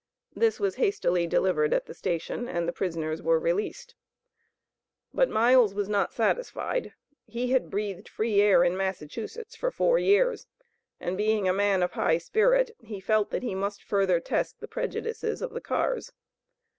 This was hastily delivered at the station, and the prisoners were released. But Miles was not satisfied; he had breathed free air in Massachusetts for four years, and being a man of high spirit he felt that he must further test the prejudices of the cars.